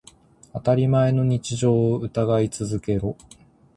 当たり前の日常を疑い続けろ。